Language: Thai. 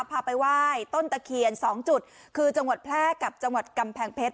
พาไปไหว้ต้นตะเคียน๒จุดคือจังหวัดแพร่กับจังหวัดกำแพงเพชร